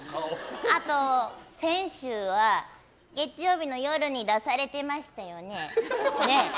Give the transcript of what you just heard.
あと、先週は月曜日の夜に出されてましたよね？ね？